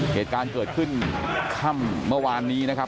เหตุการณ์เกิดขึ้นค่ำเมื่อวานนี้นะครับ